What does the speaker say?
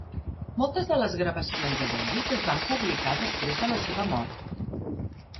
Moltes de les gravacions de Davis es van publicar després de la seva mort.